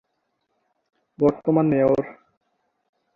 বর্তমান মেয়র-